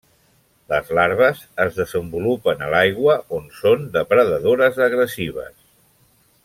Les larves es desenvolupen a l'aigua on són depredadores agressives.